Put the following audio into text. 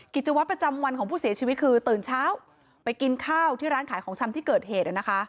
กิจวัตรประจำวันของผู้เสียชีวิตคือตื่นเช้าไปกินข้าวที่ร้านขายของชำที่เกิดเหตุ